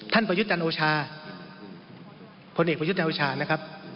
ท่านประยุทธอันโอชาผลเอกประยุทธอันโอชานะครับ